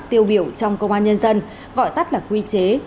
tiêu biểu trong công an nhân dân gọi tắt là quy chế tám nghìn ba trăm một mươi tám